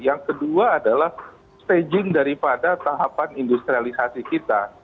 yang kedua adalah staging daripada tahapan industrialisasi kita